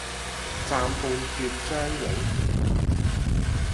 暫伴月將影，